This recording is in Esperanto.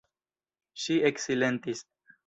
Ŝi eksilentis.